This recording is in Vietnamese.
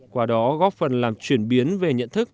qua đó góp phần làm chuyển biến về nhận thức